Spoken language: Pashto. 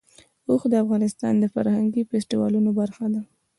اوښ د افغانستان د فرهنګي فستیوالونو برخه ده.